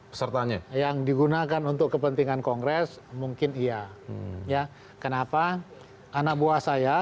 pesertanya yang digunakan untuk kepentingan kongres mungkin iya ya kenapa anak buah saya